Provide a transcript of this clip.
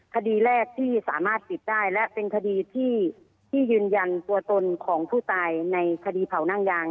คดีแรกที่สามารถติดได้และเป็นคดีที่ยืนยันตัวตนของผู้ตายในคดีเผานั่งยาง